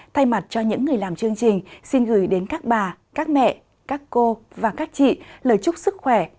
thay mặt cho những người làm chương trình xin gửi đến các bà các mẹ các cô và các chị lời chúc sức khỏe